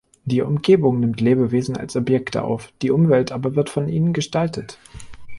Die Umgebung nimmt Lebewesen als Objekte auf, die Umwelt aber wird von ihnen gestaltet.